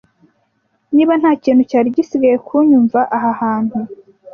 niba nta kintu cyari gisigaye kunyumva aha hantu